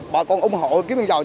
bà con ủng hộ kiếm miền giàu